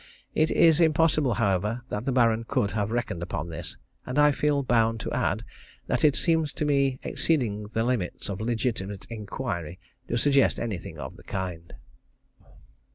It is impossible, however, that the Baron could have reckoned upon this, and I feel bound to add that it seems to me exceeding the limits of legitimate inquiry to suggest anything of the kind.